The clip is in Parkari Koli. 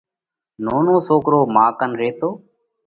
نونو سوڪرو مان ڪنَ ريتو۔